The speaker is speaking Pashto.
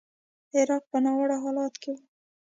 عراق په ناوړه حالت کې و.